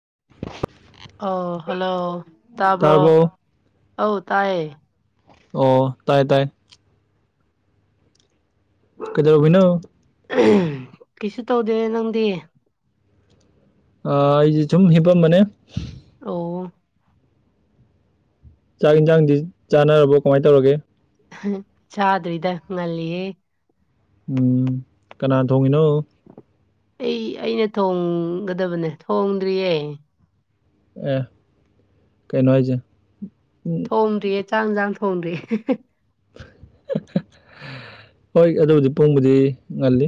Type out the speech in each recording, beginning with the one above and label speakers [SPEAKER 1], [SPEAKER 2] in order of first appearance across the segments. [SPEAKER 1] [inaudible]
[SPEAKER 2] ꯑꯣ ꯍꯜꯂꯣ ꯇꯥꯕ꯭ꯔꯣ
[SPEAKER 1] ꯇꯥꯔꯕꯣ
[SPEAKER 2] ꯑ ꯇꯥꯏꯌꯦ
[SPEAKER 1] ꯑꯣ ꯇꯥꯏ ꯇꯥꯏ ꯀꯗꯔꯣꯚꯅ
[SPEAKER 2] ꯀꯩꯁꯨ ꯇꯧꯗꯦ ꯅꯪꯗꯤ
[SPEAKER 1] ꯑ ꯑꯩꯁꯦ ꯁꯨꯝ ꯍꯤꯄꯝ ꯃꯅꯦ
[SPEAKER 2] ꯑꯣ
[SPEAKER 1] ꯆꯥꯛ ꯌꯦꯟꯁꯥꯡꯗꯤ ꯆꯥꯟꯅꯔꯕꯣ ꯀꯃꯥꯏꯅ ꯇꯧꯔꯒꯦ
[SPEAKER 2] ꯆꯗ꯭ꯔꯨ ꯏꯗ ꯉꯜꯂꯤꯦ
[SPEAKER 1] ꯎꯝ ꯀꯅꯥ ꯊꯣꯡꯉꯤꯅꯣ
[SPEAKER 2] ꯑꯩ ꯑꯩꯅ ꯊꯣꯡꯒꯗꯕꯅꯦ ꯊꯣꯡꯗ꯭ꯔꯤꯌꯦ
[SPEAKER 1] ꯑꯦ ꯀꯩꯅꯣ ꯍꯥꯏꯁꯦ ꯎꯝ
[SPEAKER 2] ꯊꯣꯡꯗ꯭ꯔꯤꯌꯦ ꯆꯥꯛꯟꯁꯥꯡ ꯊꯣꯡꯗ꯭ꯔꯤꯦ
[SPEAKER 1] ꯍꯣꯏ ꯑꯗꯨꯕꯨꯗꯤ ꯄꯣꯡꯕꯨꯗꯤ ꯉꯜꯂꯤ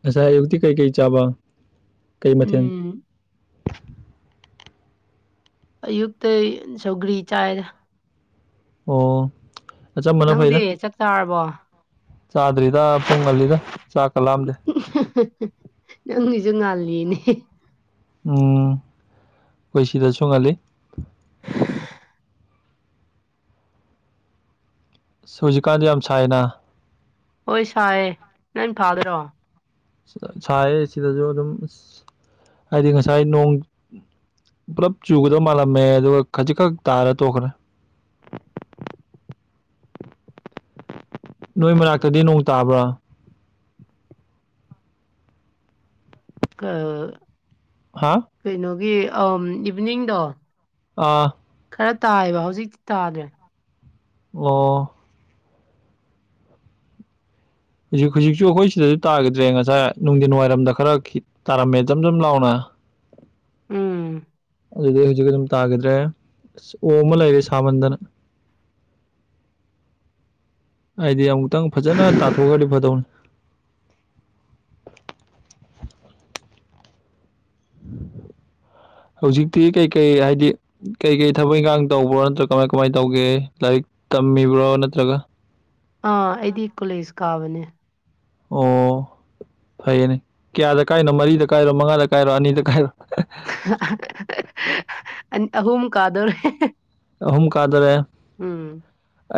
[SPEAKER 1] ꯉꯁꯥꯏꯌꯨꯛꯇꯤ ꯀꯩꯀꯩ ꯆꯥꯕ ꯀꯩ ꯃꯊꯦꯜ
[SPEAKER 2] ꯎꯝ ꯑ ꯌꯨꯛꯇꯛꯇ ꯁꯒꯔꯤ ꯆꯥꯏ
[SPEAKER 1] ꯑꯣ ꯑꯆꯝꯕꯅ ꯐꯩꯗ
[SPEAKER 2] ꯅꯪꯗꯤ ꯆꯠ ꯆꯥꯔꯕꯣ
[SPEAKER 1] ꯆꯥꯗ꯭ꯔꯤꯗ ꯄꯨꯡ ꯀꯜꯂꯤꯗ ꯆꯥꯛ ꯀꯂꯥꯑꯝꯗꯦ
[SPEAKER 2] ꯅꯪꯒꯤꯁꯨ ꯉꯥꯜꯂꯤꯅꯦ
[SPEAKER 1] ꯎ ꯑꯩꯈꯣꯏ ꯁꯤꯗꯁꯨꯣꯡꯍꯜꯂꯤ ꯁ ꯍꯧꯖꯤꯛꯀꯥꯟꯗ ꯌꯥꯝ ꯁꯥꯏꯅ
[SPEAKER 2] ꯍꯣꯏ ꯁꯍꯦ ꯅꯪ ꯐꯥꯗꯔꯣ
[SPEAKER 1] ꯁꯥꯏ ꯁꯤꯗꯁꯨ ꯑꯗꯨꯝ ꯑ ꯍꯥꯏꯗꯤ ꯉꯁꯥꯏ ꯅꯣꯡ ꯄꯨꯂꯞ ꯆꯨꯒꯗꯕ ꯃꯥꯜꯂꯝꯃꯦ ꯑꯗꯨꯒ ꯈꯖꯤꯛꯈꯛ ꯇꯥꯔ ꯇꯣꯛꯈ꯭ꯔꯦ ꯅꯣꯏ ꯃꯅꯥꯛꯇꯗꯤ ꯅꯣꯡ ꯇꯥꯕ꯭ꯔꯥ ꯍꯥ
[SPEAKER 2] ꯀꯩꯅꯣꯒꯤ ꯏꯚꯅꯤꯡꯗꯣ
[SPEAKER 1] ꯑꯥ
[SPEAKER 2] ꯈꯔ ꯇꯥꯏꯑꯕ ꯍꯧꯖꯤꯛꯇꯤ ꯇꯥꯗ꯭ꯔꯦ
[SPEAKER 1] ꯑꯣ ꯍꯧꯖꯤꯛ ꯍꯧꯖꯤꯛꯁꯨ ꯑꯩꯈꯣꯏ ꯁꯤꯗꯁꯨ ꯇꯥꯈꯤꯗ꯭ꯔꯦ ꯉꯁꯥꯏ ꯅꯨꯡꯊꯤꯟ ꯋꯥꯏꯔꯝꯗ ꯈꯔ ꯈꯤ ꯇꯥꯔꯝꯃꯦꯆꯝ ꯁꯝ ꯂꯥꯎꯅ
[SPEAKER 2] [unintelligible] ꯎꯝ
[SPEAKER 1] ꯑꯗꯨꯗꯤ ꯍꯧꯖꯤꯛ ꯑꯗꯨꯝ ꯇꯥꯈꯤꯗ꯭ꯔꯦ ꯑ ꯑꯣ ꯑꯃ ꯂꯩꯔꯦ ꯁꯥꯃꯟꯗꯅ ꯍꯥꯏꯗꯤ ꯑꯃꯨꯛꯇꯪ ꯐꯖꯅ ꯇꯥꯊꯣꯛꯈꯗꯤ ꯐꯗꯧꯅꯤ
[SPEAKER 2] [inaudible]
[SPEAKER 1] ꯍꯧꯖꯤꯛꯇꯤ ꯀꯩꯀꯩ ꯍꯥꯏꯗꯤ ꯀꯩꯀꯩ ꯊꯕꯛ ꯏꯪꯈꯥꯡ ꯇꯧꯕ꯭ꯔꯣ ꯅꯠꯇ꯭ꯔꯒ ꯀꯃꯥꯏ ꯀꯃꯥꯏꯅ ꯇꯧꯒꯦ ꯂꯥꯏꯔꯤꯛ ꯇꯝꯃꯤꯕ꯭ꯔꯣ ꯅꯠꯇ꯭ꯔꯒ
[SPEAKER 2] ꯑꯥ ꯑꯩꯗꯤ ꯀꯣꯂꯦꯖ ꯀꯥꯕꯅꯦ
[SPEAKER 1] ꯑꯣ ꯐꯩꯅꯦ ꯀꯌꯥꯗ ꯀꯥꯏꯅꯣ ꯃꯔꯤꯗ ꯀꯥꯏꯔꯣ ꯃꯉꯥꯗ ꯀꯥꯏꯔꯣ ꯑꯅꯤꯗ ꯀꯥꯏꯔꯣ
[SPEAKER 2] ꯑꯍꯨꯝ ꯀꯥꯗꯦ
[SPEAKER 1] ꯑꯍꯨꯝꯀꯥꯗ꯭ꯔ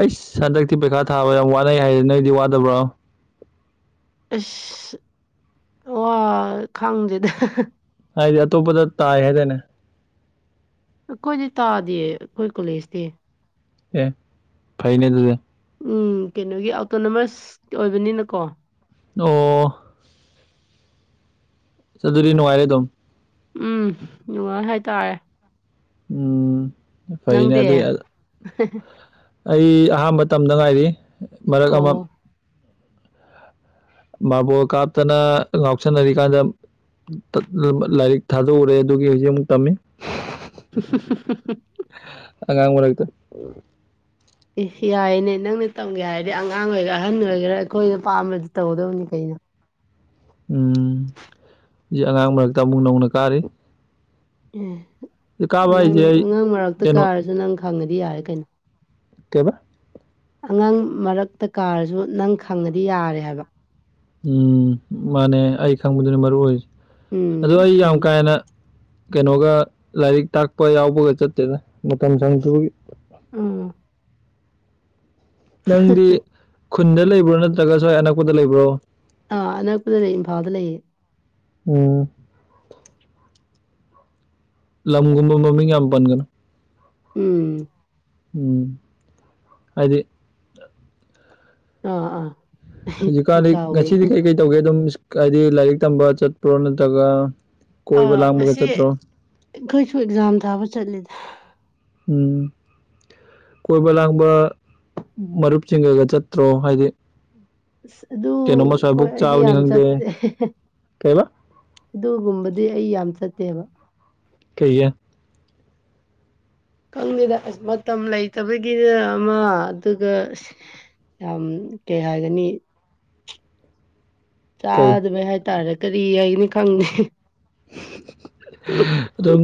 [SPEAKER 1] ꯑꯩꯁ ꯍꯟꯗꯛꯇꯤ ꯄꯩꯈꯥ ꯊꯥꯕ ꯌꯥꯝ ꯋꯥꯅꯩ ꯍꯥꯏꯁꯦ ꯅꯣꯏꯗꯤ ꯋꯥꯗꯕ꯭ꯔꯣ
[SPEAKER 2] ꯋꯥ ꯈꯪꯗꯦꯗ
[SPEAKER 1] ꯍꯥꯏꯗꯤ ꯑꯇꯣꯞꯄꯗ ꯇꯥꯏ ꯍꯥꯏꯗꯅꯦ
[SPEAKER 2] ꯑꯩꯈꯣꯏꯗꯤ ꯇꯥꯗꯦ ꯑꯩꯈꯣꯏ ꯀꯣꯂꯦꯖꯇꯤ
[SPEAKER 1] ꯑꯦ ꯐꯥꯏꯅꯦ ꯑꯗꯨꯗ
[SPEAKER 2] ꯎꯝ ꯀꯩꯅꯣꯒꯤ ꯑꯣꯇꯣꯅꯣꯃꯁ ꯑꯣꯏꯕꯅꯤꯅꯀꯣ
[SPEAKER 1] ꯑꯣ ꯑꯗꯨ ꯑꯗꯨꯗꯤ ꯅꯨꯡꯉꯥꯏꯔꯦ ꯑꯗꯨꯝ
[SPEAKER 2] ꯎꯝ ꯅꯨꯡꯉꯥꯏ ꯍꯥꯏꯇꯥꯔꯦ ꯅꯪꯗꯤ
[SPEAKER 1] ꯎꯝꯥꯏꯩꯅꯗꯤ ꯑ
[SPEAKER 2] [unintelligible]
[SPEAKER 1] ꯑꯩ ꯑꯍꯥꯟꯕ ꯇꯝꯗ ꯉꯥꯏꯔꯤ ꯃꯔꯛ
[SPEAKER 2] ꯑꯣ
[SPEAKER 1] ꯑꯃ ꯃꯥꯕꯥꯕꯣ ꯀꯥꯞꯇꯅ ꯉꯥꯎꯁꯟꯅꯔꯤꯀꯥꯟꯗ ꯂꯥꯏꯔꯤꯛ ꯊꯥꯖꯎꯔꯦ ꯑꯗꯨꯒꯤ ꯍꯧꯖꯤꯛ ꯑꯃꯨꯛ ꯇꯝꯃꯤ ꯑꯉꯥꯡꯉ ꯃꯔꯇ
[SPEAKER 2] ꯑꯦ ꯌꯥꯏꯅꯦ ꯅꯪꯅ ꯇꯧꯒꯦ ꯍꯥꯏꯔꯗꯤ ꯑꯉꯥꯡ ꯑꯣꯏꯒꯦꯔꯥ ꯑꯍꯟ ꯑꯣꯏꯒꯦꯔꯥ ꯑꯩꯈꯣꯏꯅ ꯄꯥꯝꯕꯗꯤ ꯇꯧꯒꯗꯕꯅꯤ ꯀꯩꯅꯣ [inaudible]
[SPEAKER 1] ꯎꯝ ꯁꯤꯦ ꯑꯉꯥꯡ ꯃꯔꯛꯇ ꯑꯃꯨꯛ ꯅꯧꯅ ꯀꯥꯔꯤ ꯀꯥꯕ
[SPEAKER 2] ꯑꯦ ꯅꯪ
[SPEAKER 1] ꯍꯥꯏꯁꯦ ꯑꯩ
[SPEAKER 2] ꯑꯉꯥꯡ ꯃꯔꯛꯇ
[SPEAKER 1] ꯀꯩꯅꯣ
[SPEAKER 2] ꯀꯥꯔꯁꯨ ꯅꯪ ꯈꯪꯉꯗꯤ ꯌꯥꯔꯦ ꯀꯩꯅꯣ
[SPEAKER 1] ꯀꯕ
[SPEAKER 2] ꯑꯉꯥꯡ ꯃꯔꯛꯇ ꯀꯥꯔꯁꯨ ꯅꯪ ꯈꯪꯉꯗꯤ ꯌꯥꯔꯦ ꯍꯥꯏꯕ
[SPEAKER 1] ꯎꯝ ꯃꯥꯅꯦ ꯑꯩ ꯈꯪꯕꯗꯨꯅ ꯃꯔꯨ ꯑꯣꯏ ꯑꯗꯣ
[SPEAKER 2] ꯎꯝ
[SPEAKER 1] ꯑꯩ ꯌꯥꯝ
[SPEAKER 2] ꯆꯨꯝ
[SPEAKER 1] ꯀꯥꯦꯟꯅ ꯀꯩꯅꯣꯒ ꯂꯥꯏꯔꯤꯛ ꯇꯥꯛꯄ ꯌꯥꯎꯕꯒ ꯆꯠꯇꯦꯗ ꯃꯇꯝ ꯁꯪꯁꯨ
[SPEAKER 2] ꯎꯝ
[SPEAKER 1] ꯅꯪꯗꯤ ꯈꯨꯟꯗ ꯂꯩꯕ꯭ꯔꯣ ꯅꯠꯇ꯭ꯔꯒ ꯁ꯭ꯋꯥꯏ ꯑꯅꯛꯄꯗ ꯂꯩꯕ꯭ꯔꯣ
[SPEAKER 2] ꯑ ꯑꯅ ꯄꯨꯗ ꯂꯩ ꯐꯥꯗ ꯂꯩꯌꯦꯦ
[SPEAKER 1] ꯎꯝ ꯂꯝꯒꯨꯝꯕ ꯃꯃꯤꯡ ꯌꯥꯝ ꯄꯟꯒꯅ
[SPEAKER 2] ꯎꯝ
[SPEAKER 1] ꯎꯝ ꯍꯥꯏꯗꯤ
[SPEAKER 2] ꯑꯥ ꯑꯥ ꯑꯩ
[SPEAKER 1] ꯍꯧꯖꯤꯛꯀꯥꯟꯗꯤ
[SPEAKER 2] ꯀꯥꯎꯕꯩ
[SPEAKER 1] ꯉꯁꯤꯗꯤ ꯀꯩꯀꯩ ꯇꯧꯒꯦ ꯑꯗꯨꯝ ꯍꯥꯏꯗꯤ ꯂꯥꯏꯔꯤꯛ ꯇꯝꯕ ꯆꯠꯄ꯭ꯔꯣ ꯅꯠꯇ꯭ꯔꯒ
[SPEAKER 2] ꯑ
[SPEAKER 1] ꯀꯣꯏꯕ ꯂꯥꯡꯕꯒ
[SPEAKER 2] ꯉꯁꯤ
[SPEAKER 1] ꯆꯠꯇ꯭ꯔꯣ
[SPEAKER 2] ꯑꯩꯈꯣꯏꯁꯨ ꯑꯦꯛꯖꯥꯝ ꯊꯥꯕ ꯆꯠꯂꯤꯗ
[SPEAKER 1] ꯎꯝ ꯀꯣꯏꯕ ꯂꯥꯡꯕ ꯃꯔꯨꯞꯁꯤꯡꯒꯒ ꯆꯠꯇ꯭ꯔꯣ ꯍꯥꯏꯗꯤ
[SPEAKER 2] ꯑꯁ ꯑꯗꯨ
[SPEAKER 1] ꯀꯩꯅꯣꯝꯃ
[SPEAKER 2] ꯍꯣꯏ
[SPEAKER 1] ꯁ꯭ꯋꯥꯏꯕꯨꯛ
[SPEAKER 2] ꯑꯩꯗꯤ
[SPEAKER 1] ꯆꯥꯕꯅꯤ
[SPEAKER 2] ꯌꯥꯝ
[SPEAKER 1] ꯈꯪꯗꯦ
[SPEAKER 2] ꯆꯠꯇꯦ
[SPEAKER 1] ꯀꯩꯕ
[SPEAKER 2] ꯑꯗꯨꯒꯨꯝꯕꯗꯤ ꯑꯩ ꯌꯥꯝ ꯆꯠꯇꯦꯕ
[SPEAKER 1] ꯀꯩꯦ
[SPEAKER 2] ꯈꯪꯗꯦꯗ ꯑꯁ ꯃꯇꯝ ꯂꯩꯇꯕꯒꯤꯅ ꯑꯃ ꯑꯗꯨꯒ ꯌꯥꯝ ꯀꯩ ꯍꯥꯏꯒꯅꯤ
[SPEAKER 1] ꯀꯩ
[SPEAKER 2] ꯆꯥꯗꯕꯩ ꯍꯥꯏꯇꯥꯔꯦ ꯀꯔꯤ ꯍꯥꯏꯅꯤ ꯈꯪꯗꯦ
[SPEAKER 1] ꯑꯗꯨꯣ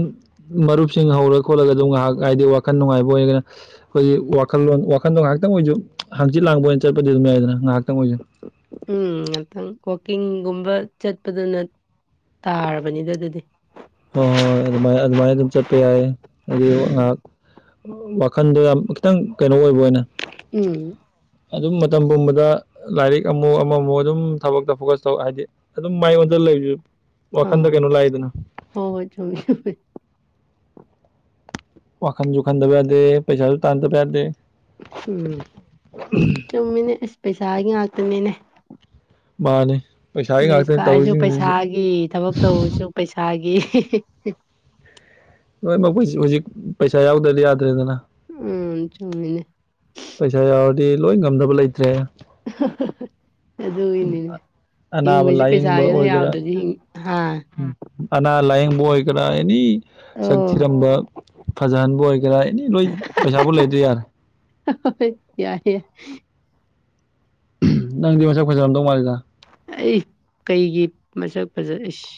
[SPEAKER 1] ꯃꯔꯨꯞꯁꯤꯡ ꯍꯧꯔ ꯈꯣꯠꯂꯒ ꯑꯗꯨꯝ ꯉꯥꯏꯍꯥꯛ ꯍꯥꯏꯗꯤ ꯋꯥꯈꯜ ꯅꯨꯡꯉꯥꯏꯕ ꯑꯣꯏꯔꯒꯅ ꯑꯩꯈꯣꯏꯒꯤ ꯋꯥꯈꯜꯂꯣꯟ ꯋꯥꯈꯜꯗꯣ ꯉꯥꯏꯍꯥꯛꯇꯪ ꯇꯪ ꯑꯣꯏꯁꯨ ꯍꯪꯆꯤꯠ ꯂꯥꯡꯕ ꯑꯣꯏꯅ ꯆꯠꯄꯗꯤ ꯑꯗꯨꯝ ꯌꯥꯏꯗꯅ ꯉꯥꯏꯍꯥꯛꯇꯪ ꯑꯣꯏꯁꯨ
[SPEAKER 2] ꯎꯝ ꯉꯥꯛꯇꯪ ꯋꯥꯋꯀꯤꯡꯒꯨꯝꯕ ꯆꯠꯄꯗꯅ ꯇꯥꯔꯕꯅꯤꯗ ꯑꯗꯨꯗꯤ
[SPEAKER 1] ꯍꯣꯏ ꯍꯣꯏ ꯍꯣꯏ ꯑꯗꯨꯃꯥꯏ ꯑꯗꯨꯃꯥꯏꯅ ꯑꯗꯨꯝ ꯆꯠꯄ ꯌꯥꯏ ꯍꯥꯏꯗꯤ ꯉꯥꯏꯍꯥꯛ ꯋꯥꯈꯟꯗꯣ ꯌꯥꯝ ꯈꯤꯇꯪ ꯀꯩꯅꯣ ꯑꯣꯏꯕ ꯑꯣꯏꯅ
[SPEAKER 2] ꯎꯝ
[SPEAKER 1] ꯑꯗꯨꯝ ꯃꯇꯝ ꯄꯨꯝꯕꯗ ꯂꯥꯏꯔꯤꯛ ꯑꯃꯨ ꯑꯃꯃꯨꯛ ꯑꯗꯨꯝ ꯊꯕꯛꯇ ꯐꯣꯀꯁ ꯇꯧ ꯍꯥꯏꯗꯤ ꯑꯗꯨꯝ ꯃꯉꯣꯟꯗ ꯂꯩ ꯋꯥꯈꯟꯗ
[SPEAKER 2] ꯑꯥ
[SPEAKER 1] ꯀꯩꯅꯣ ꯂꯥꯛꯏꯗꯅ
[SPEAKER 2] ꯍꯣꯏ ꯆꯃꯦ ꯆꯃꯦ
[SPEAKER 1] ꯋꯥꯟ ꯖꯈꯟꯗꯕꯗ ꯄꯩꯁꯥꯁꯨ ꯇꯥꯟꯗ ꯄꯦꯔꯗꯦ
[SPEAKER 2] ꯎꯝ ꯆꯨꯝꯃꯤꯅꯦ ꯑꯁ ꯄꯩꯁꯥꯒꯤ ꯉꯥꯛꯇꯅꯤꯅꯦ
[SPEAKER 1] ꯃꯥꯅꯦ
[SPEAKER 2] ꯀꯣꯂꯦꯖ ꯀꯥꯔꯁꯨ ꯄꯩꯁꯥꯒꯤ ꯊꯕꯛ ꯇꯧꯁꯨ ꯄꯩꯁꯥꯒꯤ [inaudible]
[SPEAKER 1] ꯂꯣꯏꯃꯛ ꯍꯧꯖꯤꯛ ꯄꯩꯁꯥ ꯌꯥꯎꯗꯗꯤ ꯌꯥꯗ꯭ꯔꯦꯗꯅ
[SPEAKER 2] ꯎꯝ ꯆꯣꯡꯃꯤꯅꯦ
[SPEAKER 1] ꯗꯤ ꯂꯣꯏ ꯉꯝꯗꯕ ꯂꯩꯇ꯭ꯔꯦ
[SPEAKER 2] ꯑꯗ ꯏꯅꯤꯅꯦ
[SPEAKER 1] ꯑꯅꯥꯕ ꯂꯥꯏꯌꯦꯡꯕ ꯑꯣꯏꯒꯦꯔꯥ
[SPEAKER 2] ꯍꯥ
[SPEAKER 1] ꯑꯅꯥ ꯂꯥꯏꯌꯦꯡꯕ ꯑꯣꯏꯒꯦꯔꯥ ꯑꯦꯅꯤ ꯁꯛ
[SPEAKER 2] ꯑꯣ
[SPEAKER 1] ꯊꯤꯔꯝꯕ ꯐꯖꯍꯟꯕ ꯑꯣꯏꯒꯥ ꯏꯅꯦ ꯂꯣꯏ ꯄꯩꯁꯥꯣ ꯂꯩꯗꯦꯔ
[SPEAKER 2] ꯌꯥꯏꯏꯦ ꯌꯥꯏ
[SPEAKER 1] ꯅꯪꯗꯤ ꯃꯩꯁꯥ ꯐꯩꯖꯥꯔꯗꯧ ꯃꯥꯜꯂꯤꯗ
[SPEAKER 2] ꯑꯩ ꯀꯩꯒꯤ ꯃꯁꯛ ꯐꯖꯏꯁꯤ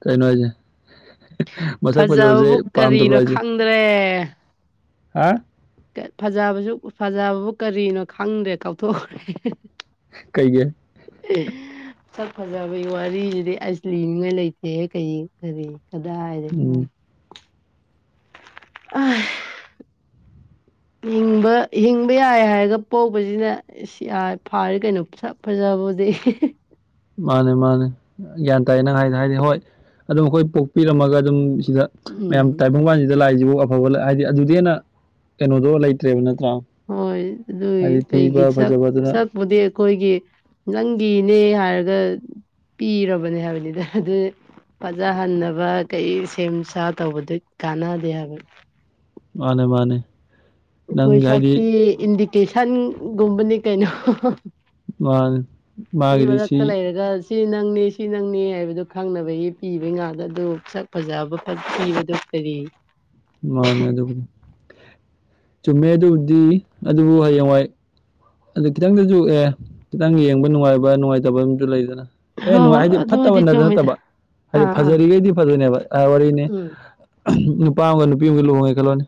[SPEAKER 1] ꯀꯩꯅꯩꯅꯅꯨꯡ ꯍꯥꯏꯅꯦꯦ ꯃꯁꯛ ꯐꯖꯕꯁꯦ
[SPEAKER 2] ꯐꯖꯕꯕꯨ
[SPEAKER 1] ꯄꯥꯝꯗꯕ꯭ꯔꯥ
[SPEAKER 2] ꯀꯔꯤꯅꯣ
[SPEAKER 1] ꯑꯩꯁꯦ
[SPEAKER 2] ꯈꯪꯗ꯭ꯔꯦ
[SPEAKER 1] ꯍꯥ
[SPEAKER 2] ꯐꯖꯕꯁꯨ ꯐꯖꯕꯕꯨ ꯀꯔꯤꯅꯣ ꯈꯪꯗ꯭ꯔꯦ ꯀꯥꯎꯊꯣꯛꯈ꯭ꯔꯦ
[SPEAKER 1] ꯀꯩꯦ
[SPEAKER 2] ꯁꯛ ꯐꯖꯕꯒꯤ ꯋꯥꯔꯤꯁꯤꯗꯤ ꯑꯥꯏꯁꯅꯤꯡꯉꯥꯏ ꯂꯩꯇꯦꯍ ꯀꯩ ꯀꯔꯤ ꯑꯗꯨꯗꯥ ꯍꯥꯏꯗꯤꯦ
[SPEAKER 1] ꯎꯝ
[SPEAKER 2] ꯑ ꯍꯕ ꯍꯤꯡꯕ ꯌꯥꯏ ꯍꯥꯏꯔꯒ ꯄꯁꯤꯅ ꯐꯥꯔꯦ ꯀꯩꯅꯣ ꯐꯖꯕ ꯍꯧꯗꯩ
[SPEAKER 1] ꯃꯥꯅꯦ ꯃꯥꯅꯦ ꯒ꯭ꯌꯥꯟ ꯇꯥꯏꯌꯦ ꯅꯪ ꯍꯥꯏꯗ ꯍꯥꯏꯗꯤ ꯍꯣꯏ ꯑꯗꯨꯝ ꯑꯩꯈꯣꯏ ꯄꯣꯛꯄꯤꯔꯝꯃꯒꯗꯤ ꯑꯗꯨꯝ ꯁꯤꯗ ꯃꯌꯥꯝ
[SPEAKER 2] ꯎꯝ
[SPEAKER 1] ꯇꯥꯏꯕꯪꯕꯥꯜꯁꯤꯗ ꯂꯥꯏꯁꯤꯕꯨ ꯑꯐꯕ ꯍꯥꯏꯗꯤ ꯑꯗꯨꯗꯤ ꯍꯦꯟꯅ ꯀꯩꯅꯣꯗꯣ ꯂꯩꯇ꯭ꯔꯦꯕꯅ
[SPEAKER 2] ꯍꯣꯏ ꯑꯗꯨꯒꯤ ꯀꯩꯒꯤ ꯁꯛ
[SPEAKER 1] ꯐꯖꯕꯗꯨꯅ
[SPEAKER 2] ꯁꯛꯄꯨꯗꯤ ꯑꯩꯈꯣꯏꯒꯤ ꯅꯪꯒꯤ ꯅꯦꯠ ꯌꯥꯔꯒ ꯄꯤꯔꯕꯅꯦ ꯍꯥꯏꯕꯅꯤꯗ ꯑꯗꯨ ꯐꯖꯍꯟꯅꯕ ꯀꯩ ꯁꯦꯝ ꯁꯥ ꯇꯧꯕꯗꯤ ꯀꯥꯟꯅꯗꯦ ꯍꯥꯏꯕ
[SPEAKER 1] ꯃꯥꯅꯦ ꯃꯥꯅꯦ
[SPEAKER 2] ꯑꯈꯣꯏ
[SPEAKER 1] ꯅꯪꯒꯤ ꯍꯥꯏꯗꯤ
[SPEAKER 2] ꯁꯛꯇꯤ ꯏꯟꯗꯤꯀꯦꯁꯟꯒꯨꯝꯕꯅꯤ ꯀꯩꯅꯣ
[SPEAKER 1] ꯃꯥꯅꯦ
[SPEAKER 2] ꯃꯤ
[SPEAKER 1] ꯃꯥꯒꯤꯗꯤ
[SPEAKER 2] ꯃꯔꯛꯇ
[SPEAKER 1] ꯁꯤ
[SPEAKER 2] ꯂꯩꯔꯒ ꯁꯤ ꯅꯪꯅꯦ ꯁꯤ ꯅꯪꯅꯦ ꯍꯥꯏꯕꯗꯣ ꯈꯪꯅꯕꯒꯤ ꯄꯤꯕꯩ ꯉꯥꯛꯇ ꯑꯗꯨ ꯁꯛ ꯐꯖꯕ ꯄꯤꯕꯗꯣ ꯀꯔꯤ
[SPEAKER 1] ꯃꯥꯅꯦ ꯑꯗꯨꯕꯨ ꯆꯨꯝꯃꯦ ꯑꯗꯨꯕꯨꯗꯤ ꯑꯗꯨꯕꯨ ꯍꯌꯦꯡꯋꯥꯏ ꯑꯗꯨ ꯈꯤꯇꯪꯗꯁꯨ ꯑꯦ ꯈꯤꯇꯪ ꯌꯦꯡꯕ ꯅꯨꯡꯉꯥꯏꯕ ꯅꯨꯡꯉꯥꯏꯇꯕ ꯑꯃꯁꯨ ꯂꯩꯗꯅ ꯑꯦ ꯅꯨꯡꯉꯥꯏ
[SPEAKER 2] ꯍꯣꯏ
[SPEAKER 1] ꯍꯥꯏꯗꯤ ꯐꯠꯇꯕ
[SPEAKER 2] ꯑꯗꯨꯕꯨꯗꯤ ꯆꯨꯝꯃꯤꯗ
[SPEAKER 1] ꯅꯠꯇꯕ ꯍꯥꯏꯗꯤ
[SPEAKER 2] ꯑꯥ ꯑꯥ
[SPEAKER 1] ꯐꯖꯔꯤꯈꯩꯗꯤ ꯐꯖꯔꯦꯕ ꯋꯥꯔꯤꯅꯤ
[SPEAKER 2] ꯎꯝ
[SPEAKER 1] ꯅꯨꯄꯥ ꯑꯃꯒ ꯅꯨꯄꯤ ꯑꯃꯒ ꯂꯨꯍꯣꯡꯉꯦ ꯈꯜꯂꯣꯅꯤ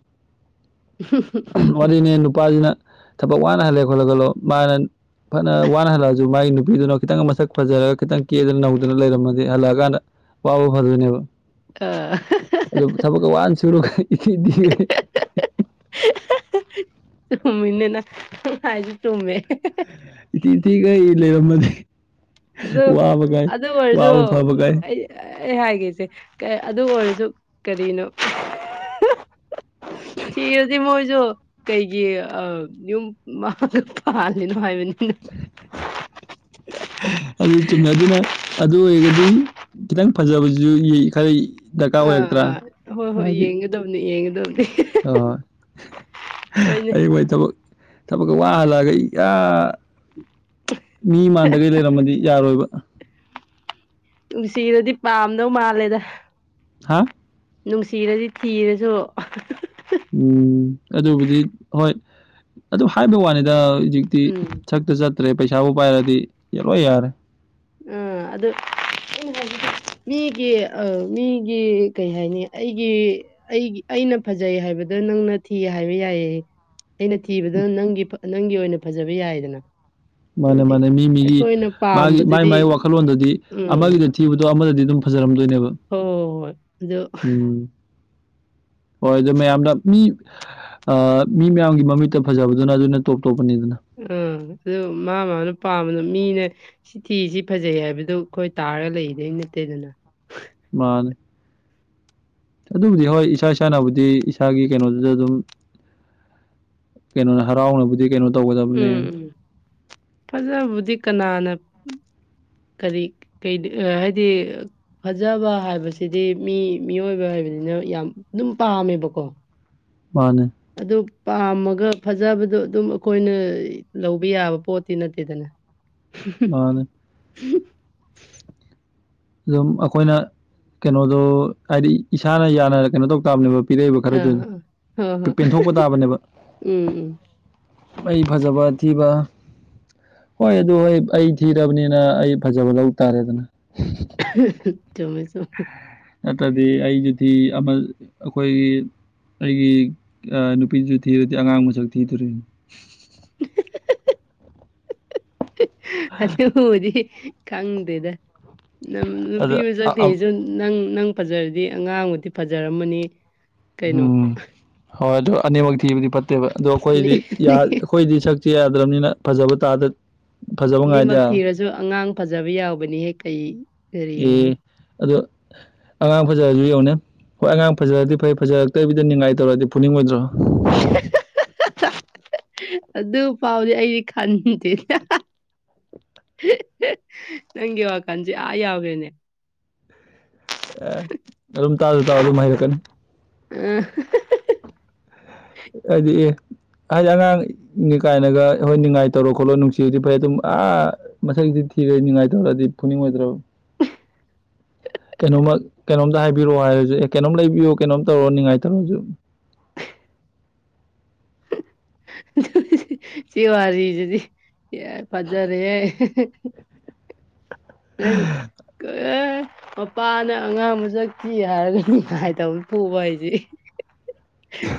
[SPEAKER 1] ꯋꯥꯔꯤꯅꯦ ꯅꯨꯄꯥꯁꯤꯅ ꯊꯕꯛ ꯋꯥꯅ ꯍꯜꯂꯦ ꯈꯣꯠꯂꯦ ꯈꯜꯂꯣ ꯃꯥꯅ ꯐꯅ ꯋꯥꯅ ꯍꯜꯂꯛꯑꯁꯨ ꯃꯥꯒꯤ ꯅꯨꯄꯤꯗꯨꯅ ꯈꯤꯇꯪ ꯃꯁꯛ ꯐꯖꯔꯒ ꯈꯤꯇꯪ ꯀꯦꯔꯒ ꯅꯧꯗꯅ ꯂꯩꯔꯝꯃꯗꯤ ꯍꯜꯂꯛꯑꯀꯥꯟꯗ ꯋꯥꯕ ꯐꯗꯣꯏꯅꯦꯕ
[SPEAKER 2] ꯑ
[SPEAKER 1] ꯑꯗꯨ ꯊꯕꯛꯀ ꯋꯥꯟ ꯁꯨꯔꯒ ꯏꯊꯤ
[SPEAKER 2] ꯆꯨꯝꯃꯤꯅꯤꯅꯦ ꯅꯪ ꯍꯥꯏꯁꯨ ꯆꯨꯝꯃꯦ
[SPEAKER 1] ꯏꯊꯤ ꯊꯤꯒꯩ ꯂꯩꯔꯝꯃꯗꯤ
[SPEAKER 2] ꯑꯗꯨ
[SPEAKER 1] ꯋꯥꯕꯒꯥꯏ
[SPEAKER 2] ꯑꯗꯨ ꯑꯣꯏꯔꯁꯨ
[SPEAKER 1] ꯋꯥꯕ ꯐꯕꯒꯥꯏ
[SPEAKER 2] ꯑꯩ ꯑꯩ ꯍꯥꯏꯒꯦꯁꯦ ꯑꯗꯨ ꯑꯣꯏꯔꯁꯨ ꯀꯔꯤꯅꯣ ꯊꯔꯥꯗꯤ ꯃꯣꯏ ꯀꯩꯒꯤ ꯌꯨꯝ ꯃꯥꯒ ꯄꯥꯜꯂꯤꯅꯣ ꯍꯥꯏꯕꯅꯤ [inaudible]
[SPEAKER 1] ꯑꯗꯨ ꯆꯨꯝꯃꯦ ꯑꯗꯨꯅ ꯑꯗꯨ ꯑꯣꯏꯔꯒꯗꯤ ꯈꯤꯇꯪ ꯐꯖꯕꯁꯨ ꯈꯔ ꯗꯔꯀꯥꯔ
[SPEAKER 2] ꯑꯥ
[SPEAKER 1] ꯑꯣꯏꯔꯛꯇ꯭ꯔꯥ
[SPEAKER 2] ꯑꯥ ꯍꯣꯏ ꯍꯣꯏ
[SPEAKER 1] ꯍꯥꯏꯗꯤ
[SPEAKER 2] ꯌꯦꯡꯒꯗꯕꯅꯤ ꯌꯦꯡꯒꯗꯕꯅꯤ
[SPEAKER 1] ꯑꯣꯏ
[SPEAKER 2] ꯍꯣꯏꯅꯦ
[SPEAKER 1] ꯑꯩ ꯃꯣꯏ ꯊꯕꯛ ꯋꯥ ꯍꯜꯂꯛꯑꯒ ꯃꯤ ꯃꯥꯟꯗꯒꯩ ꯂꯩꯔꯝꯃꯗꯤ ꯌꯥꯔꯣꯏꯕ
[SPEAKER 2] ꯅꯨꯡꯁꯤꯕꯗꯤ ꯄꯥꯝꯗꯧ ꯃꯥꯜꯂꯦꯗ
[SPEAKER 1] ꯍꯥ
[SPEAKER 2] ꯅꯨꯡꯁꯤꯔꯗꯤ ꯊꯤꯔꯁꯨ
[SPEAKER 1] ꯎꯝ ꯑꯗꯨꯕꯨꯗꯤ ꯍꯣꯏ ꯑꯗꯨꯝ ꯍꯥꯏꯕ ꯋꯥꯅꯤꯗ ꯍꯧꯖꯤꯛꯇꯤ
[SPEAKER 2] ꯎꯝ
[SPEAKER 1] ꯁꯛꯇ ꯆꯠꯇ꯭ꯔꯦ ꯄꯩꯁꯥꯕꯨ ꯄꯥꯏꯔꯗꯤ ꯂꯣꯏ ꯌꯥꯔꯦ
[SPEAKER 2] ꯎꯝ ꯑꯗꯨ ꯃꯤꯒꯤ ꯑ ꯃꯤꯒꯤ ꯀꯩ ꯍꯥꯏꯅꯤ ꯑꯩꯒꯤ ꯑꯩꯒꯤ ꯑꯩꯅ ꯐꯖꯩ ꯍꯥꯏꯕ ꯗ ꯅꯪꯅ ꯊꯤ ꯍꯥꯏꯕ ꯌꯥꯏꯌꯦ ꯑꯩꯅ ꯊꯤꯕꯗ ꯅꯒꯤ ꯅꯪꯒꯤ ꯑꯣꯏꯅ ꯐꯖꯕ ꯌꯥꯏꯗꯅ
[SPEAKER 1] ꯃꯥꯅꯦ
[SPEAKER 2] ꯑꯗꯨꯕꯨꯗꯤ
[SPEAKER 1] ꯃꯥꯅꯦ ꯃꯤ ꯃꯤꯒꯤ
[SPEAKER 2] ꯑꯩꯈꯣꯏꯅ
[SPEAKER 1] ꯃꯥꯒꯤ ꯃꯥꯏ
[SPEAKER 2] ꯄꯥꯝꯕꯗꯨꯗꯤ
[SPEAKER 1] ꯃꯥꯏ ꯋꯥꯈꯜꯂꯣꯟꯗꯗꯤ
[SPEAKER 2] ꯎꯝ
[SPEAKER 1] ꯑꯃꯒꯤꯗ ꯊꯤꯕꯗꯣ ꯑꯃꯗꯗꯤ ꯑꯗꯨꯝ ꯐꯖꯔꯝꯗꯣꯏꯅꯦꯕ
[SPEAKER 2] ꯍꯣꯏ ꯑꯗꯨ
[SPEAKER 1] ꯎꯝ ꯍꯣꯏ ꯑꯗꯨꯗꯣ ꯃꯌꯥꯝꯅ ꯃꯤ ꯑ ꯃꯤ ꯃꯌꯥꯝꯒꯤ ꯃꯃꯤꯠꯇ ꯐꯖꯕꯗꯨꯅ ꯑꯗꯨꯅ ꯇꯣꯞ ꯇꯣꯞꯄꯅꯤꯗꯅ
[SPEAKER 2] ꯑ ꯑꯗꯨ ꯃꯥ ꯃꯥꯅ ꯄꯥꯝꯕꯗꯨ ꯃꯤꯅ ꯁꯤ ꯊꯤꯔꯤꯁꯤ ꯐꯖꯩ ꯍꯥꯏꯕꯗꯨ ꯑꯈꯣꯏ ꯇꯥꯔꯒ ꯂꯩꯗꯧ ꯅꯠꯇꯦꯗꯅ
[SPEAKER 1] ꯃꯥꯅꯦ ꯑꯗꯨꯕꯨꯗꯤ ꯍꯣꯏ ꯏꯁꯥ ꯏꯁꯥꯅꯕꯨꯗꯤ ꯏꯁꯥꯒꯤ ꯀꯩꯅꯣꯗꯨꯗ ꯑꯗꯨꯝ ꯀꯩꯅꯣꯅꯦ ꯍꯔꯥꯎꯅꯕꯨꯗꯤ ꯀꯩꯅꯣ
[SPEAKER 2] ꯎꯝ
[SPEAKER 1] ꯇꯧꯒꯗꯕꯅꯦ
[SPEAKER 2] ꯎꯝ ꯐꯖꯕꯨꯗꯤ ꯀꯅꯥꯅ ꯀꯔꯤ ꯍꯥꯏꯗꯤ ꯐꯖꯕ ꯍꯥꯏꯕꯁꯤꯗꯤ ꯃꯤ ꯃꯤꯑꯣꯏꯕ ꯍꯥꯏꯕꯅꯤ ꯑꯗꯨꯅ ꯌꯥꯝ ꯑꯗꯨꯝ ꯄꯥꯝꯃꯦꯕꯀꯣ
[SPEAKER 1] ꯃꯥꯅꯦ
[SPEAKER 2] ꯑꯗꯨ ꯄꯥꯝꯃꯒ ꯐꯖꯕꯗꯣ ꯑꯗꯨꯝ ꯑꯈꯣꯏꯅ ꯂꯧꯕ ꯌꯥꯕ ꯄꯣꯠꯇꯤ ꯅꯠꯇꯦꯗꯅ
[SPEAKER 1] ꯃꯅꯦ
[SPEAKER 2] [inaudible]
[SPEAKER 1] ꯑꯗꯨꯝ ꯑꯩꯈꯣꯏꯅ ꯀꯩꯅꯣꯗꯣ ꯍꯥꯏꯗꯤ ꯏꯁꯥꯅ ꯌꯥꯅ ꯀꯩꯅꯣ ꯇꯧ ꯇꯥꯕꯅꯦꯕ ꯄꯤꯔꯛꯏꯕ ꯈꯔꯗꯨ
[SPEAKER 2] ꯑꯥ ꯑꯥ. ꯍꯣꯏ ꯍꯣꯏ
[SPEAKER 1] ꯄꯦꯟꯊꯣꯛꯄ ꯇꯥꯕꯅꯦꯕ
[SPEAKER 2] ꯎꯝ ꯎꯝ
[SPEAKER 1] ꯑꯩ ꯐꯖꯕꯊꯤꯕ ꯍꯣꯏ ꯑꯗꯨ ꯍꯣꯏ ꯑꯩ ꯊꯤꯔꯕꯅꯤꯅ ꯑꯩ ꯐꯖꯕ ꯂꯧ ꯇꯥꯔꯦꯗꯅ
[SPEAKER 2] ꯆꯃꯦ ꯆꯃꯦ
[SPEAKER 1] ꯅꯠꯇ꯭ꯔꯗꯤ ꯑꯩꯗꯨꯗꯤ ꯑꯃ ꯑꯩꯈꯣꯏꯒꯤ ꯑꯩꯒꯤ ꯅꯨꯄꯤꯖꯨ ꯊꯤꯔꯗꯤ ꯑꯉꯥꯡ ꯃꯁꯛ ꯊꯤꯗꯧꯔꯤꯅꯤ
[SPEAKER 2] [inaudible] ꯑꯗ ꯍꯗꯤ ꯈꯪꯗꯦꯗ ꯅꯨꯄꯤ
[SPEAKER 1] ꯑꯗ
[SPEAKER 2] ꯑꯃ
[SPEAKER 1] ꯑ ꯑꯝ
[SPEAKER 2] ꯆꯠꯇꯁꯨ ꯅꯪ ꯅꯪ ꯐꯖꯔꯗꯤ ꯑꯉꯥꯡꯕꯨꯗꯤ ꯐꯖꯔꯝꯃꯅꯤ ꯀꯩꯅꯣ
[SPEAKER 1] ꯎꯝ ꯍꯣꯏ ꯑꯗꯨꯣ ꯑꯅꯤꯃꯛ ꯊꯤꯕꯗꯤ ꯐꯠꯇꯦꯕ ꯑꯗꯣ
[SPEAKER 2] ꯑꯅꯤ
[SPEAKER 1] ꯑꯩꯈꯣꯏꯗꯤ ꯑꯩꯈꯣꯏꯗꯤ ꯛꯇꯤ ꯌꯥꯗ꯭ꯔꯕꯅꯤꯅ ꯐꯖꯕ ꯇꯥꯗ ꯐꯖꯕ ꯉꯥꯏꯗ
[SPEAKER 2] ꯑꯅꯤꯃꯛ
[SPEAKER 1] ꯌꯥꯔꯣꯏ
[SPEAKER 2] ꯊꯤꯔꯁꯨ ꯑꯉꯥꯡ ꯐꯖꯕ ꯌꯥꯎꯕꯅꯤꯍꯦꯛ ꯀꯩ ꯀꯔꯤꯅꯣ
[SPEAKER 1] ꯑꯦ ꯑꯗꯣ ꯑꯉꯥꯡ ꯐꯖꯔꯁꯨ ꯌꯧꯅꯦ ꯍꯣꯏ ꯑꯉꯥꯡ ꯐꯖꯔꯗꯤ ꯐꯩ ꯐꯖꯔꯛꯇꯕꯤꯗ ꯉꯥꯏ ꯇꯧꯔꯗꯤ ꯄꯨꯅꯤꯡꯉꯣꯏꯗ꯭ꯔꯣ
[SPEAKER 2] l ꯑꯗꯨ ꯐꯥꯎꯗꯤ ꯑꯩꯗꯤ ꯈꯟꯗꯦ ꯅꯪꯒꯤ ꯋꯥꯈꯜꯁꯦ ꯑꯥ ꯌꯥꯎꯈ꯭ꯔꯦꯅꯦ
[SPEAKER 1] ꯑꯦ ꯑꯗꯨꯝ ꯇꯥꯁꯨ ꯇꯥꯎ ꯑꯗꯨꯝ ꯍꯩꯔꯛꯀꯅꯤ
[SPEAKER 2] ꯎ
[SPEAKER 1] ꯑꯗꯨꯗꯤ ꯍꯥꯏꯗꯤ ꯑꯉꯥꯡꯒꯤ ꯀꯥꯏꯅꯒ ꯍꯣꯏ ꯅꯨꯡꯉꯥꯏ ꯇꯧꯔꯣ ꯈꯣꯠꯂꯣ ꯅꯨꯡꯁꯤꯕꯗꯤ ꯐꯩ ꯑꯗꯨꯝ ꯑꯥ ꯃꯊ ꯊꯤꯈꯦ ꯅꯨꯡꯉꯥꯏꯇꯧꯔꯗꯤ ꯄꯨꯅꯤꯡ ꯑꯣꯏꯗ꯭ꯔꯕ ꯀꯩꯅꯣꯃꯛ ꯀꯩꯅꯣꯝꯇ ꯍꯥꯏꯕꯤꯔꯛꯑꯣ ꯍꯥꯏꯔꯁꯨ ꯑꯦ ꯀꯩꯅꯣꯝ ꯂꯩꯕꯤꯌꯣ ꯀꯩꯅꯣꯝ ꯇꯧꯔꯣ ꯅꯤꯡꯉꯥꯏꯇꯔꯣꯁꯨ
[SPEAKER 2] ꯁꯤ ꯑꯁꯤꯗꯤ ꯑꯦ ꯐꯖꯥꯔꯦ ꯍꯥꯏ ꯃꯄꯥꯅ ꯑꯉꯥꯡꯕ ꯆꯈꯤ ꯍꯥꯏꯔꯒ ꯉꯥꯏꯇꯕ ꯐꯨꯕ ꯍꯥꯏꯁꯦ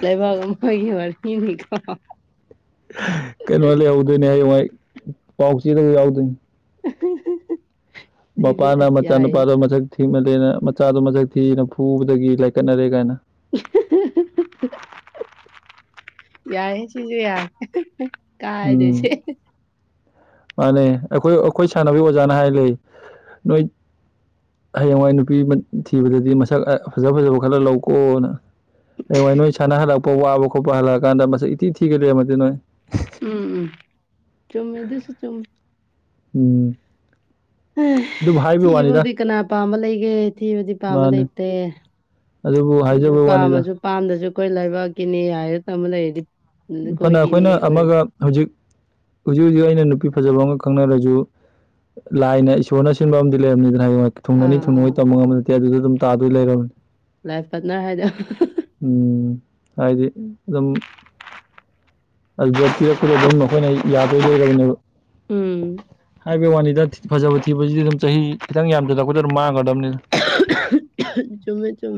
[SPEAKER 2] ꯂꯩꯥꯏꯕꯒꯦ ꯃꯔꯔ ꯀ
[SPEAKER 1] ꯀꯩꯅꯣ ꯂꯩꯍꯧꯗꯣꯏꯅꯦ ꯍꯌꯦꯡꯋꯥꯏ ꯄꯥꯎ ꯆꯦꯗꯒ ꯌꯥꯎꯗꯣꯏꯅꯤ
[SPEAKER 2] ꯁꯤꯗꯤ
[SPEAKER 1] ꯃꯄꯥꯅ
[SPEAKER 2] ꯑꯁ
[SPEAKER 1] ꯃꯆꯥ
[SPEAKER 2] ꯌꯥꯏꯍꯦ
[SPEAKER 1] ꯅꯨꯨꯄꯥꯗꯣ ꯃꯁꯛ ꯊꯤꯃꯜꯂꯦꯅ ꯃꯆꯥꯗꯣ ꯃꯁꯛ ꯊꯤꯅ ꯐꯨꯕꯗꯒꯤ ꯂꯥꯏꯀꯠꯅꯔꯦ ꯀꯥꯏꯅ
[SPEAKER 2] [inaudible] ꯌꯥꯍꯦ ꯁꯤꯁꯨ ꯌꯥꯏ
[SPEAKER 1] ꯎꯝ
[SPEAKER 2] ꯀꯥꯏꯗꯣꯏꯁꯦ
[SPEAKER 1] ꯃꯥꯅꯦ ꯑꯩꯈꯣꯏ ꯑꯩꯈꯣꯏ ꯁꯥꯟꯅꯕꯒꯤ ꯑꯣꯖꯥꯅ ꯍꯥꯏꯔꯛꯌꯦ ꯅꯣꯏ ꯍꯌꯦꯡꯋꯥꯏ ꯅꯨꯄꯤ ꯊꯤꯕꯗꯗꯤ ꯃꯁꯛ ꯐꯖ ꯐꯖꯕ ꯈꯔ ꯂꯧꯀꯣꯅ ꯍꯌꯦꯋꯥꯏ ꯅꯣꯏ ꯁꯥꯟꯅꯍꯜꯂꯛꯄ ꯋꯥꯕ ꯈꯣꯠꯄ ꯍꯜꯂꯛꯑꯀꯥꯟꯗ ꯃꯁꯛ ꯏꯊꯤ ꯊꯤꯒꯩ ꯂꯩꯔꯝꯃꯗꯤ ꯅꯣꯏ
[SPEAKER 2] ꯎꯝ ꯎꯝ ꯆꯨꯝꯃꯦꯗꯁꯨ ꯆꯨꯝꯃꯦ
[SPEAKER 1] ꯎꯝ ꯑꯗꯨꯕꯨ ꯍꯥꯏꯕꯩ ꯋꯥꯅꯤꯗ
[SPEAKER 2] ꯊꯤꯕꯕꯨꯗꯤ ꯀꯅꯥ ꯄꯥꯝꯕ ꯂꯩꯒꯦ ꯊꯤꯕꯨꯗꯤ ꯄꯥꯝꯕ
[SPEAKER 1] ꯃꯥꯅꯦ
[SPEAKER 2] ꯂꯩꯇꯦ
[SPEAKER 1] ꯑꯗꯨꯕꯨ
[SPEAKER 2] ꯑꯗꯨ
[SPEAKER 1] ꯍꯥꯏꯖꯕꯩ ꯋꯥꯅꯤꯗ
[SPEAKER 2] ꯄꯥꯝꯃꯁꯨ ꯄꯥꯝꯗꯁꯨ ꯑꯩꯈꯣꯏ ꯂꯩꯕꯥꯛꯀꯤꯅꯤ ꯍꯥꯏꯔ ꯇꯃ ꯂꯩꯔꯗꯤ
[SPEAKER 1] ꯐꯅ
[SPEAKER 2] ꯑꯩꯈꯣꯏꯒꯤꯅꯤ
[SPEAKER 1] ꯑꯩꯈꯣꯏꯅ
[SPEAKER 2] ꯑꯣꯏꯔꯗꯤ
[SPEAKER 1] ꯑꯃꯒ ꯍꯧꯖꯤꯛ ꯍꯧꯖꯤꯛ ꯍꯧꯖꯤꯛ ꯑꯩꯅ ꯅꯨꯄꯤ ꯐꯖꯕ ꯑꯃ ꯈꯪꯅꯔꯁꯨ ꯂꯥꯏꯅ ꯏꯁꯣꯔꯅ ꯁꯤꯟꯕ ꯑꯃꯗꯤꯝ ꯂꯩꯔꯝꯅꯤꯗꯅ ꯊꯨꯡꯅꯅꯤ
[SPEAKER 2] ꯑꯥ ꯑꯥ
[SPEAKER 1] ꯊꯨꯡꯅꯉꯣꯏ ꯇꯝꯕ ꯉꯝꯕ ꯅꯠꯇꯦ ꯑꯗꯨꯗ ꯑꯗꯨꯝ ꯇꯥꯗꯣꯏ ꯂꯩꯔꯕꯅꯤ ꯎꯝ
[SPEAKER 2] [unintelligible]
[SPEAKER 1] ꯍꯥꯏꯗꯤ ꯑꯗꯨꯝ ꯑꯗꯨꯗ ꯄꯤꯔꯛꯄꯗꯣ ꯑꯗꯨꯝ ꯑꯩꯈꯣꯏꯅ ꯌꯥꯗꯣꯏ ꯂꯩꯔꯕꯅꯦꯕ
[SPEAKER 2] ꯎꯝ
[SPEAKER 1] ꯑꯗꯨ ꯋꯥꯅꯤꯗ ꯐꯖꯕ ꯊꯤꯕꯁꯤꯗꯤ ꯑꯗꯨꯝ ꯆꯍꯤ ꯈꯤꯇꯪ ꯌꯥꯝꯖꯂꯛꯄꯗ ꯑꯗꯨꯝ ꯃꯥꯡꯒꯗꯕꯅꯤꯅ
[SPEAKER 2] ꯆꯨꯝꯃꯦ ꯆꯨꯝꯃꯦ